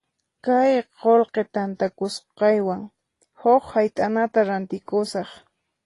Kay qullqi tantakusqaywan huk hayt'anata rantikusaq.